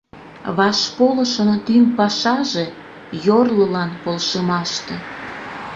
Вашполышын тӱҥ пашаже — йорлылан полшымаште.